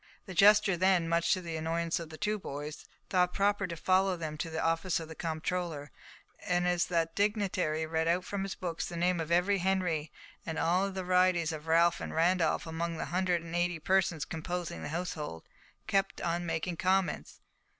The jester then, much to the annoyance of the two boys, thought proper to follow them to the office of the comptroller, and as that dignitary read out from his books the name of every Henry, and of all the varieties of Ralf and Randolf among the hundred and eighty persons composing the household, he kept on making comments.